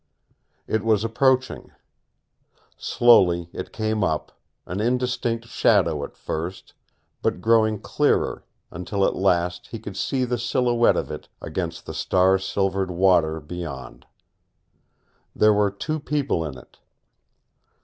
It was approaching. Slowly it came up, an indistinct shadow at first, but growing clearer, until at last he could see the silhouette of it against the star silvered water beyond. There were two people in it.